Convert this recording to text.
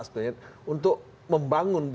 untuk membangun budaya transparansi itu